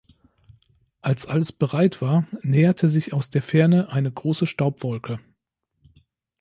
Als alles bereit war, näherte sich aus der Ferne eine große Staubwolke.